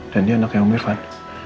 dan dia anaknya om irfan